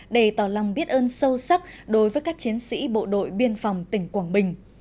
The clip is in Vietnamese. để tỏ lòng biết ơn sâu sắc đối với các chiến sĩ bộ đội biên phòng tỉnh quảng bình